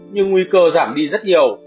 nhưng nguy cơ giảm đi rất nhiều